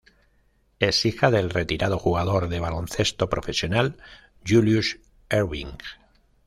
Es hija del retirado jugador de baloncesto profesional Julius Erving.